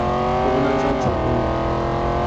অভিনয় চঞ্চল, পূর্ণিমা।